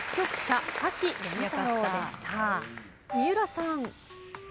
三浦さん。